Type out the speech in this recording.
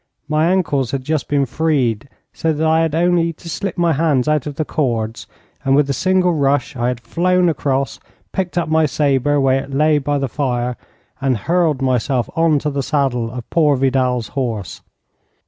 My ankles had just been freed, so that I had only to slip my hands out of the cords, and with a single rush I had flown across, picked up my sabre where it lay by the fire, and hurled myself on to the saddle of poor Vidal's horse.